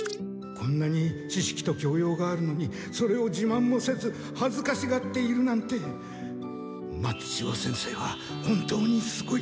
こんなに知識と教養があるのにそれをじまんもせずはずかしがっているなんて松千代先生は本当にすごい！